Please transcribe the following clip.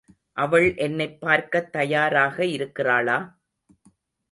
அவள் என்னைப் பார்க்கத் தயாராக இருக்கிறாளா?